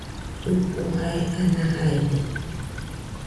Jiko jae ana jaide.